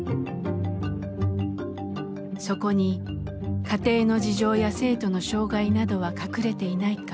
そこに家庭の事情や生徒の障害などは隠れていないか。